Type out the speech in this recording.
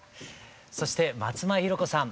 そして松前ひろ子さん